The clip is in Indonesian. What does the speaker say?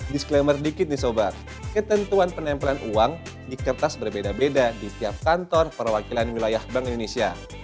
disclaimer dikit di sobat ketentuan penempelan uang di kertas berbeda beda di tiap kantor perwakilan wilayah bank indonesia